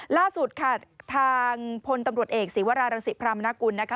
ล่าสุดค่ะทางพลตำรวจเอกศีวรารังศิพรามนากุลนะคะ